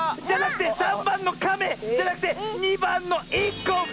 じゃなくて３ばんのカメ！じゃなくて２ばんのインコ！